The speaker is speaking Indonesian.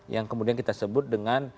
yang kemudian kita sebut dengan